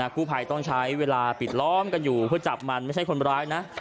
กู้ภัยต้องใช้เวลาปิดล้อมกันอยู่เพื่อจับมันไม่ใช่คนร้ายนะ